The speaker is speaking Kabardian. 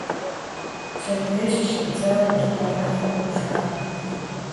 Пщэдей щыщӏэдзауэ уэлбанэ хъуну жаӏэ.